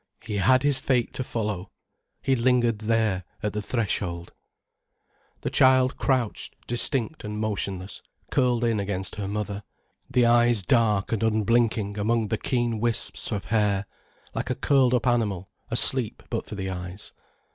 He had his fate to follow, he lingered there at the threshold. The child crouched distinct and motionless, curled in against her mother, the eyes dark and unblinking among the keen wisps of hair, like a curled up animal asleep but for the eyes.